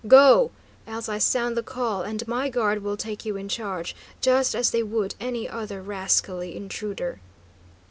Go, else I sound the call, and my guard will take you in charge, just as they would any other rascally intruder."